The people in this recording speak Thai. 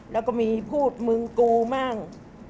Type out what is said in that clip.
แล้วก็มีพูดมึงกูมั่ง